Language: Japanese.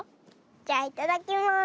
じゃいただきます。